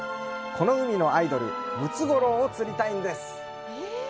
この海のアイドル、ムツゴロウを釣りたいんです。